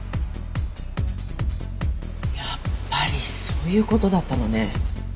やっぱりそういう事だったのね。